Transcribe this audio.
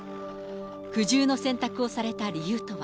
苦渋の選択をされた理由とは。